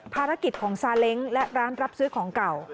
ภารกิจของซาเล้งและร้านรับซื้อของเก่า